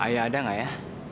ayah ada gak ya